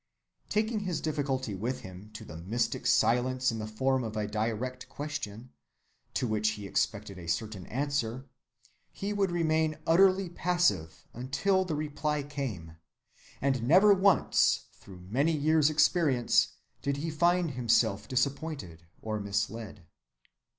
Taking his difficulty with him into the mystic silence in the form of a direct question, to which he expected a certain answer, he would remain utterly passive until the reply came, and never once through many years' experience did he find himself disappointed or misled."